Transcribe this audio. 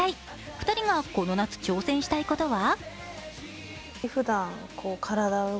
２人がこの夏、挑戦したいことは？